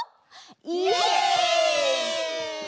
イエイ！